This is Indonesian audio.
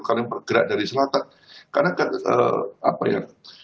karena bergerak dari selatan karena apa ya